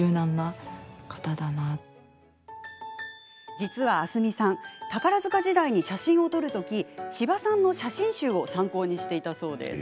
実は明日海さん宝塚時代に写真を撮るとき千葉さんの写真集を参考にしていたそうです。